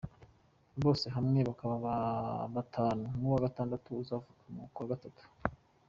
Bose hamwe bakaba batanu, n’uwa gatandatu uzavuka mu kwa gatatu.